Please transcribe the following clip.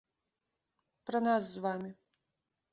Пра нас з вамі.